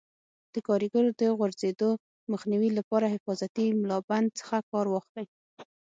د کاریګرو د غورځېدو مخنیوي لپاره حفاظتي ملابند څخه کار واخلئ.